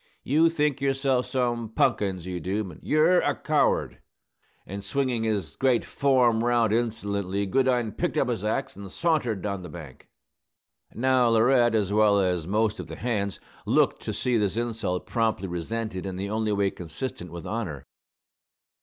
You think yourself some punkins, you do; but ye're a coward!" And, swinging his great form round insolently, Goodine picked up his axe and sauntered down the bank. Now, Laurette, as well as most of the hands, looked to see this insult promptly resented in the only way consistent with honor.